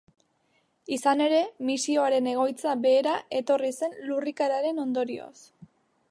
Izan ere, misioaren egoitza behera etorri zen lurrikararen ondorioz.